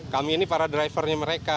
kami ini para drivernya mereka